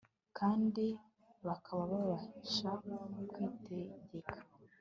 kandi bakaba babasha kwitegeka